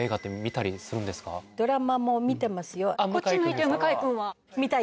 『こっち向いてよ向井くん』は？